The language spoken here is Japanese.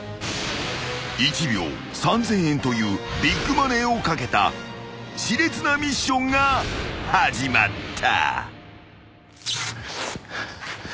［１秒３，０００円というビッグマネーを懸けた熾烈なミッションが始まった］